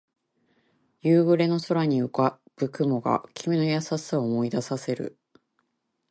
夕暮れの空に浮かぶ雲が君の優しさを思い出させる